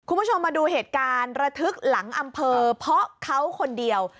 คุณผู้ชมมาดูเหตุการณ์ระทึกหลังอำเภอเพราะเขาคนเดียว